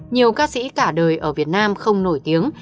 nhiều ca sĩ cả đời ở việt nam không nổi tiếng